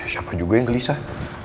siapa juga yang gelisah